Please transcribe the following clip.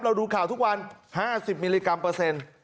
เราดูข่าวทุกวันห้าสิบมิลลิกรัมเปอร์เซ็นต์